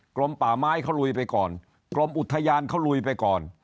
กรมป่าไม้เขาลุยไปก่อนกรมอุทยานเขาลุยไปก่อน